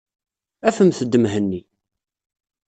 Afemt-d Mhenni.